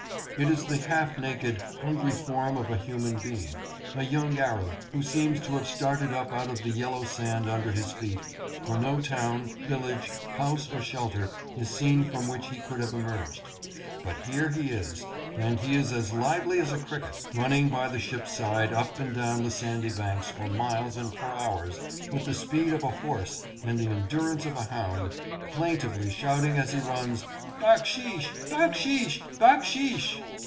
It is the half naked, hungry form of a human being, a young Arab, who seems to have started up out of the yellow sand under his feet, for no town, village, house or shelter is seen from which he could have emerged ; but here he is, and he is as lively as a cricket, running by the ship's side up and down the sandy banks for miles and for hours with the speed of a horse and the endurance of a hound, plain 706 "backsheesh." tively shouting as he runs :" Backsheesh ! Backsheesh ! Backsheesh